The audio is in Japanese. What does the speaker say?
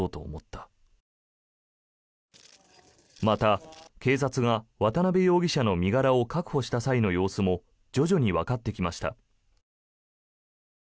また、警察が渡辺容疑者の身柄を確保した際の様子も徐々にわかってきました。